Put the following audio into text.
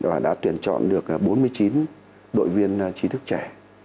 và đã tuyển chọn được bốn mươi chín đội viên trí thức trẻ